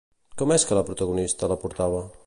Com és que el protagonista la portava?